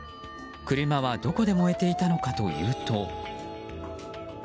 車はどこで燃えていたのかというと。